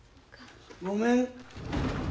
・ごめん。